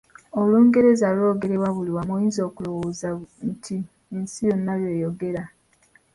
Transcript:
Olungereza lwogerebwa buli wamu oyinza okulowooza nti ensi yonna lw'eyogera.